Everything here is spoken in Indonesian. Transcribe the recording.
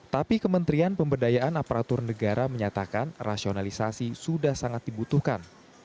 tapi kementerian pemberdayaan aparatur negara menyatakan rasionalisasi sudah sangat dibutuhkan